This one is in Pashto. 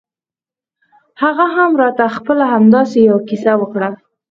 هغه هم راته خپله همداسې يوه کيسه وکړه.